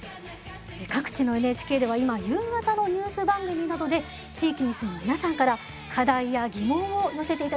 各地のＮＨＫでは今夕方のニュース番組などで地域に住む皆さんから課題や疑問を寄せていただく企画を放送しています。